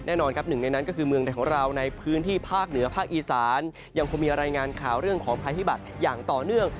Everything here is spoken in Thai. แน่นอนครับหนึ่งในนั้นก็คือเมืองไทยของเราในพื้นที่ภาคเหนือภาคอีสานยังคงมีรายงานข่าวเรื่องของภัยพิบัติอย่างต่อเนื่อง